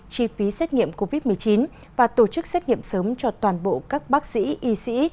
chi phí xét nghiệm covid một mươi chín và tổ chức xét nghiệm sớm cho toàn bộ các bác sĩ y sĩ